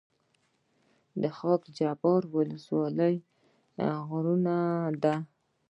د خاک جبار ولسوالۍ غرنۍ ده